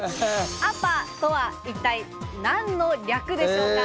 ＡＰＡとは一体何の略でしょうか？